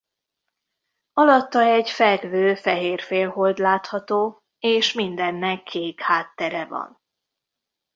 Alatta egy fekvő fehér félhold látható és mindennek kék háttere van.